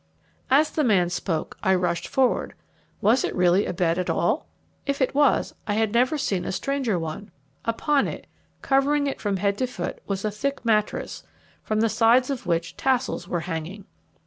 As the man spoke I rushed forward. Was it really a bed at all? If it was, I had never seen a stranger one. Upon it, covering it from head to foot, was a thick mattress, from the sides of which tassels were hanging.